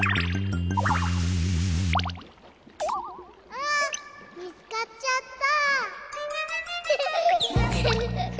あみつかっちゃった。